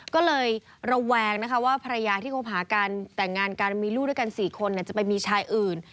ก็เลยระแวงนะคะว่าภรรยาที่คบหากันแต่งงานกันมีลูกด้วยกัน๔คนจะไปมีชายอื่น